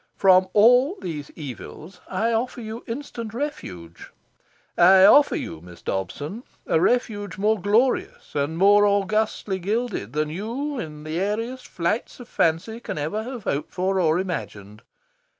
From all these evils I offer you instant refuge. I offer you, Miss Dobson, a refuge more glorious and more augustly gilded than you, in your airiest flights of fancy, can ever have hoped for or imagined.